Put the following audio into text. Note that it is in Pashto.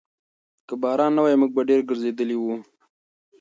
که باران نه وای، موږ به ډېر ګرځېدلي وو.